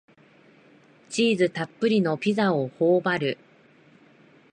チーズたっぷりのピザをほおばる